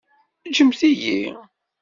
Ǧǧemt-iyi!